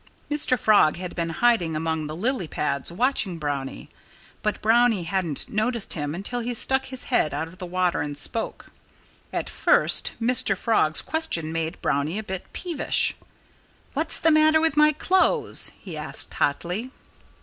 Mr. Frog had been hiding among the lily pads, watching Brownie. But Brownie hadn't noticed him until he stuck his head out of the water and spoke. At first Mr. Frog's question made Brownie a bit peevish. "What's the matter with my clothes?" he asked hotly.